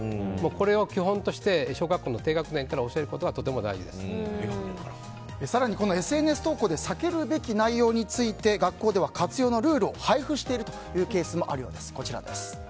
これを基本として小学校の低学年から更に、ＳＮＳ投稿で避けるべき内容について学校では活用のルールを配布しているというケースもあるようです。